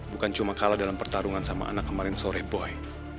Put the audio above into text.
bukan cuma kalah dalam pertarungan sama anak kemarin sore boy